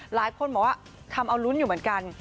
หลายคนบอกว่าทำเอาลุ้นอยู่เหมือนกัน